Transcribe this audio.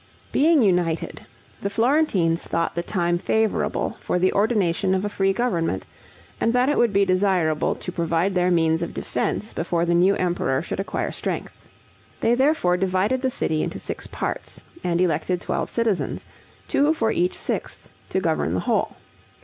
Being united, the Florentines thought the time favorable for the ordination of a free government, and that it would be desirable to provide their means of defense before the new emperor should acquire strength. They therefore divided the city into six parts, and elected twelve citizens, two for each sixth, to govern the whole.